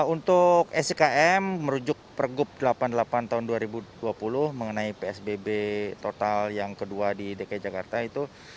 untuk sikm merujuk pergub delapan puluh delapan tahun dua ribu dua puluh mengenai psbb total yang kedua di dki jakarta itu